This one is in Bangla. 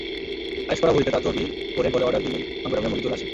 আয়েশ করা ভুঁড়িতে তার চর্বি পড়ে গলেঅর্ডার দিলেই রংবেরঙের মুরগি আসে চলে।